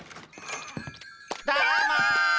どうも。